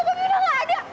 lah kok bener bener gak ada